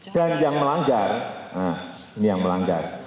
dan yang melanggar ini yang melanggar